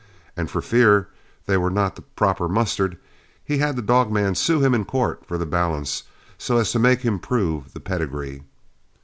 And for fear they were not the proper mustard, he had that dog man sue him in court for the balance, so as to make him prove the pedigree.